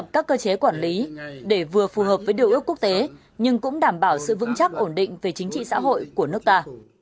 các cơ chế quản lý để vừa phù hợp với điều ước quốc tế nhưng cũng đảm bảo sự vững chắc ổn định về chính trị xã hội của nước ta